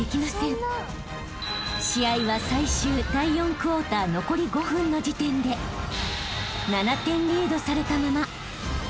［試合は最終第４クォーター残り５分の時点で７点リードされたまま］